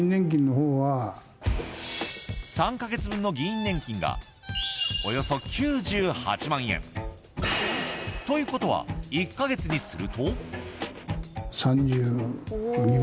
３か月分の議員年金がおよそ９８万円。ということは１か月にすると。